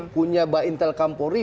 punya bah intel kampuri